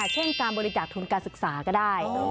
เช่นการบริจาคทุนการศึกษาก็ได้